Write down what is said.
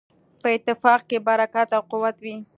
په اتفاق کې برکت او قوت وي.